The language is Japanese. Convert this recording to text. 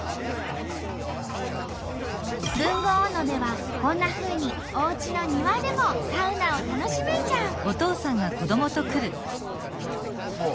豊後大野ではこんなふうにおうちの庭でもサウナを楽しめちゃう！